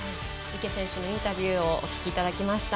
池選手のインタビューをお聞きいただきました。